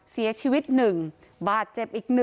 เสียชีวิต๑บาดเจ็บอีก๑